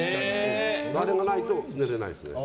あれがないと寝れないんですよ。